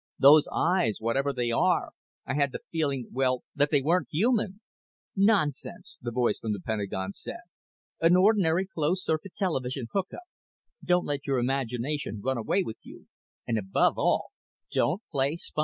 Those eyes, whatever they are. I had the feeling well, that they weren't human." "Nonsense!" the voice from the Pentagon said. "An ordinary closed circuit television hookup. Don't let your imagination run away with you, and above all don't play spy.